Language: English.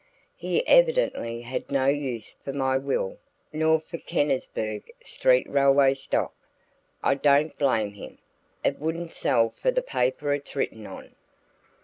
"He evidently had no use for my will nor for Kennisburg street railway stock I don't blame him; it wouldn't sell for the paper it's written on."